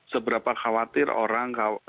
seberapa khawatir orang dengan